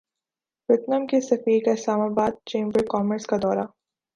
Vietnam کے سفیر کا اسلام باد چیمبر کامرس کا دورہ